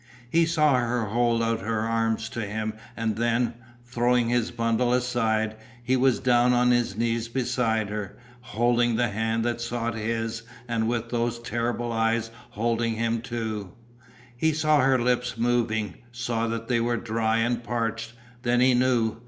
He saw her hold out her arms to him and then, throwing his bundle aside, he was down on his knees beside her, holding the hands that sought his and with those terrible eyes holding him too. He saw her lips moving, saw that they were dry and parched. Then he knew.